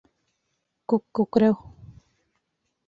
Күк күкрәү